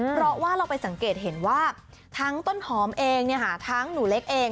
เพราะว่าเราไปสังเกตเห็นว่าทั้งต้นหอมเองทั้งหนูเล็กเอง